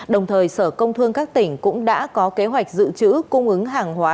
đồng thời sở công thương các tỉnh cũng đã có kế hoạch dự trữ cung ứng hàng hóa